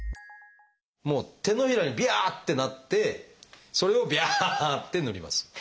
もう手のひらにビャってなってそれをビャって塗ります。